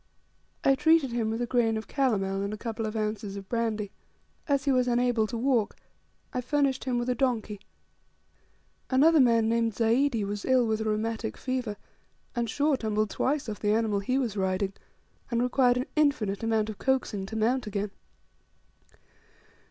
I treated him with a grain of calomel, and a couple of ounces of brandy. As he was unable to walk, I furnished him with a donkey. Another man named Zaidi was ill with a rheumatic fever; and Shaw tumbled twice off the animal he was riding, and required an infinite amount of coaxing to mount again.